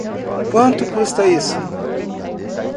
Quanto custa isso?